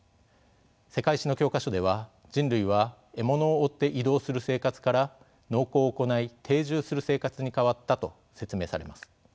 世界史の教科書では「人類は獲物を追って移動する生活から農耕を行い定住する生活に変わった」と説明されます。